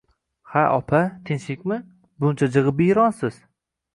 Ha, opa, tinchlikmi, buncha jig`ibiyronsiz